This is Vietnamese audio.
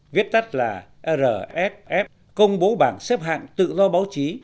viết tắt là rf công bố bảng xếp hạng tự do báo chí